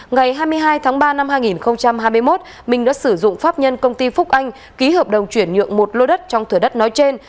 ngày hai mươi hai tháng ba năm hai nghìn hai mươi một minh đã sử dụng pháp nhân công ty phúc anh ký hợp đồng chuyển nhượng một lô đất trong thửa đất nói trên